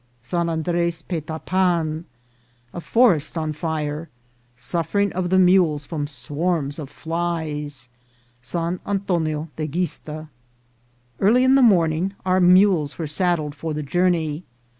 — San Andres Petapan.— A Forest on Fire.— Suffering of the Mules from Swarms of Flies. — San Antonio de Guista. EARLY in the morning our mules were saddled for the journey.